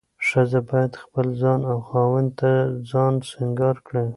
ښځه باید خپل ځان او خاوند ته ځان سينګار کړي.